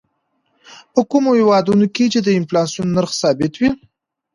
په کومو هېوادونو کې چې د انفلاسیون نرخ ثابت وي.